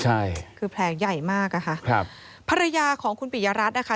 ใช่คือแผลใหญ่มากอะค่ะครับภรรยาของคุณปิยรัฐนะคะ